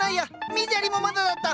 水やりもまだだった！